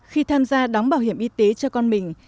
khi tham gia đóng bảo hiểm y tế cho con mình